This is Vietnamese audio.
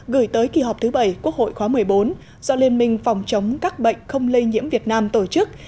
gửi tới kỳ họp thứ bảy quốc hội khóa một mươi bốn do liên minh phòng chống các bệnh không lây nhiễm việt nam tổ chức